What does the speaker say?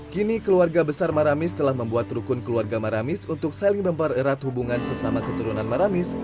kini keluarga besar maramis telah membuat rukun keluarga maramis untuk saling mempererat hubungan sesama keturunan maramis